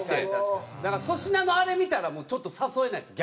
だから粗品のあれ見たらちょっと誘えないです